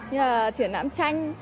như là triển lãm tranh